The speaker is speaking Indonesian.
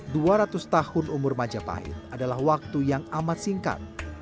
dua ratus tahun umur majapahit adalah waktu yang amat singkat